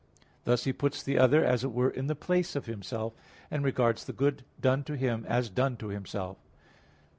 Thus he puts the other, as it were, in the place of himself; and regards the good done to him as done to himself.